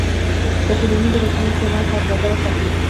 د ټولنیزو رسنیو استعمال په اندازه وساتئ.